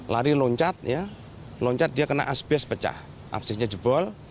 lari loncat ya loncat dia kena asbest pecah assisnya jebol